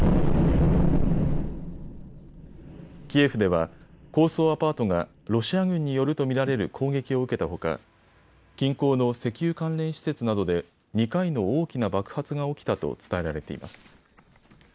キエフでは高層アパートがロシア軍によると見られる攻撃を受けたほか近郊の石油関連施設などで２回の大きな爆発が起きたと伝えられています。